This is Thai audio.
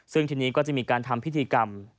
ซึ่งทีนี้ก็จะมีการทำพิธีกรรม